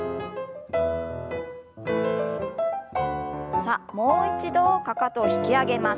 さあもう一度かかとを引き上げます。